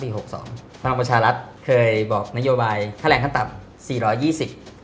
พมรัฐเคยบอกนโยบายค่าแรงขั้นต่ำ๔๒๐บาท